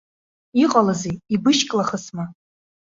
Иҟалазеи, ибышьклахысма?!